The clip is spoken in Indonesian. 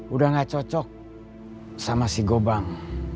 udah gak cocok sama si gobang